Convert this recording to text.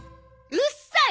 うっさい！